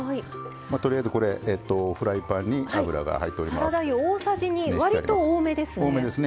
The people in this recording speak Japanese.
とりあえず、フライパンに油が入っています。